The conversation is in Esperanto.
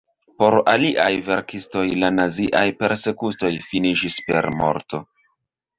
Por aliaj verkistoj la naziaj persekutoj finiĝis per morto.